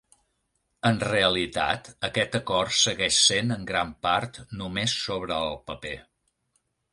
En realitat, aquest acord segueix sent en gran part només sobre el paper.